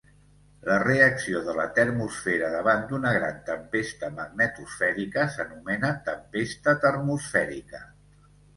La reacció de la termosfera davant d'una gran tempesta magnetosfèrica s'anomena tempesta termosfèrica.